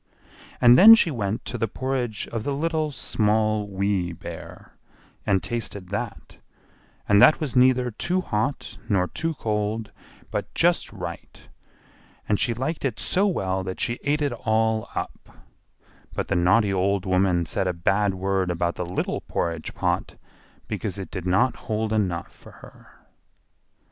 And then she went to the porridge of the Little, Small, Wee Bear, and tasted that, and that was neither too hot nor too cold, but just right; and she liked it so well that she ate it all up; but the naughty old woman said a bad word about the little porridge pot, because it did not hold enough for her.